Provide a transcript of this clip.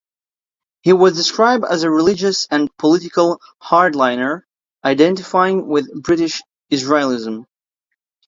He was described as a religious and political hardliner, identifying with British Israelism.